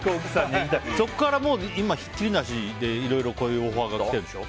そこから今ひっきりなしにこういうオファーが来てるんでしょ？